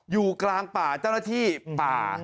อยู่กลางป่าเจ้าหน้าที่ป่า